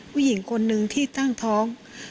ผู้หญิงคนนึงที่ตั้งท้อง